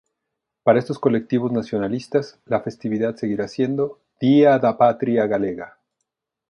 Para estos colectivos nacionalistas la festividad seguiría siendo "Día da Patria Galega".